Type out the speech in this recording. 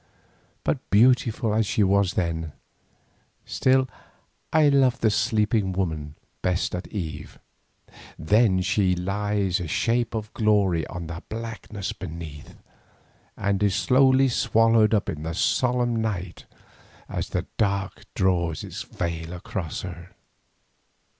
But beautiful as she was then, still I love the Sleeping Woman best at eve. Then she lies a shape of glory on the blackness beneath, and is slowly swallowed up into the solemn night as the dark draws its veil across her.